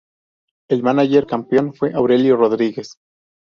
El mánager campeón fue Aurelio Rodríguez.